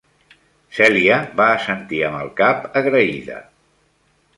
Celia va assentir amb el cap agraïda.